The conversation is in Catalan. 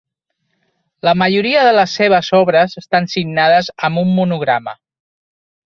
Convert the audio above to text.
La majoria de les seves obres estan signades amb un monograma.